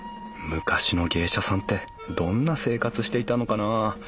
昔の芸者さんってどんな生活していたのかな？